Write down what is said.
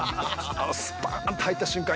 スパーンと入った瞬間